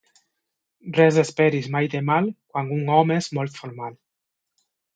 Res esperis mai de mal quan un home és molt formal.